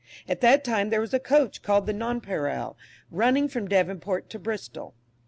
At that time there was a coach called the "Nonpareil," running from Devonport to Bristol.